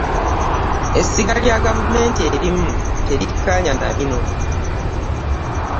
Essiga lya gavumenti erimu terikkaanya na bino.